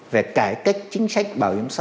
về cải cách chính sách bảo hiểm xã hội